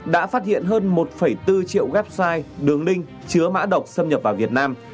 đã phát hiện hơn một bốn triệu website đường đinh chứa mã độc xâm nhập vào việt nam